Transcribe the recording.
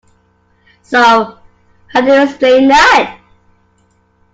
So, how do you explain that?